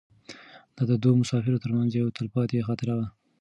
دا د دوو مسافرو تر منځ یوه تلپاتې خاطره وه.